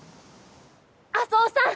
安生さん！